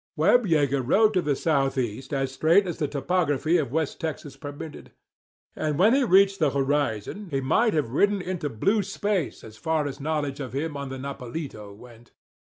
Webb Yeager rode to the southeast as straight as the topography of West Texas permitted. And when he reached the horizon he might have ridden on into blue space as far as knowledge of him on the Nopalito went.